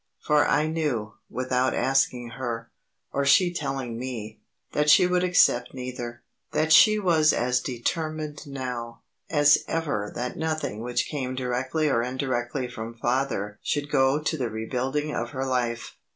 For I knew, without asking her, or she telling me, that she would accept neither; that she was as determined now, as ever that nothing which came directly or indirectly from Father should go to the rebuilding of her life.